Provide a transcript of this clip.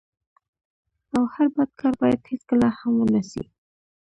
او هر بد کار بايد هيڅکله هم و نه سي.